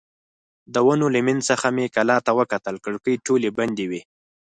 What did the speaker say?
د ونو له منځ څخه مې کلا ته وکتل، کړکۍ ټولې بندې وې.